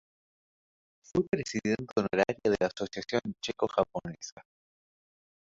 Fue Presidenta Honoraria de la Asociación Checo-Japonesa.